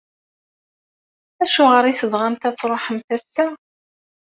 Acuɣer i tebɣamt ad tṛuḥemt ass-a?